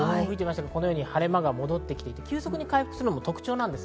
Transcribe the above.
このように晴れ間が戻ってきて急速に回復するのも特徴です。